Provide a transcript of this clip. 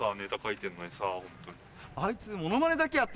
あいつ。